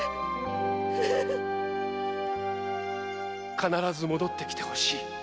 「必ず戻ってきてほしい。